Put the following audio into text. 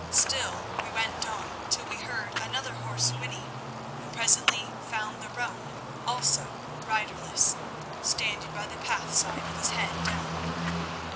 Still we went on, till we heard another horse whinny, and presently found the roan also riderless, standing by the path side with his head down.